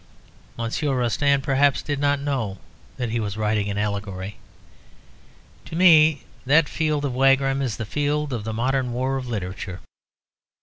_ Monsieur Rostand, perhaps, did not know that he was writing an allegory. To me that field of Wagram is the field of the modern war of literature.